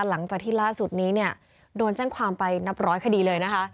หลังจากที่ล่าสุดนี้เนี่ยโดนแจ้งความไปนับร้อยคดีเลยนะคะ